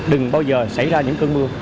đừng bao giờ xảy ra những cơn mưa